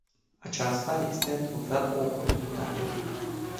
Aceasta este, într-un fel, o oportunitate.